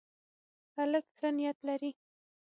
هلک ښه نیت لري.